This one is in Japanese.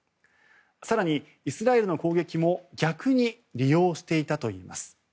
更に、イスラエルの攻撃も逆に利用していたといいます。